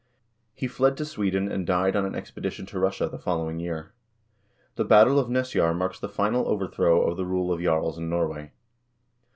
He fled to Sweden, and died on an expedition to Russia the following year. The battle of Nesjar marks the final overthrow of the rule of jarls in Norway.